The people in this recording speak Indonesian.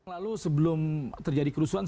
lalu sebelum terjadi kerusuhan